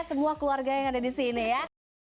semua keluarga yang ada di sini ya